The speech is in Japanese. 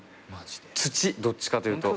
土どっちかというと。